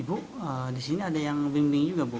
ibu di sini ada yang bimbing juga bu